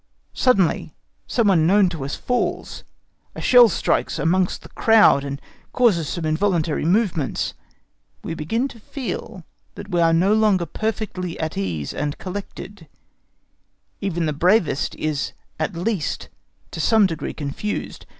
Suddenly some one known to us falls—a shell strikes amongst the crowd and causes some involuntary movements—we begin to feel that we are no longer perfectly at ease and collected; even the bravest is at least to some degree confused.